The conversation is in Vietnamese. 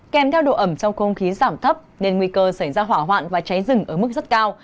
kèm theo độ ẩm trong không khí giảm thấp nên nguy cơ xảy ra hỏa hoạn và cháy rừng ở mức rất cao